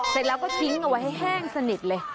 เสร็จแล้วก็ชิดเอาไว้ห้างสนิทเล่ะ